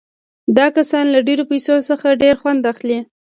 دا کسان له ډېرو پیسو څخه ډېر خوند اخلي